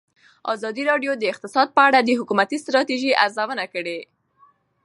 ازادي راډیو د اقتصاد په اړه د حکومتي ستراتیژۍ ارزونه کړې.